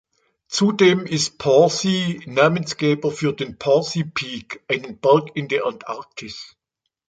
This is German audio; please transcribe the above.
Zudem ist Pearce Namensgeber für den Pearce Peak, einen Berg in der Antarktis.